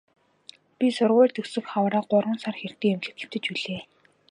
Би сургууль төгсөх хавраа гурван сар хэртэй эмнэлэгт хэвтэж билээ.